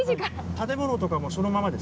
建物とかもそのままですね。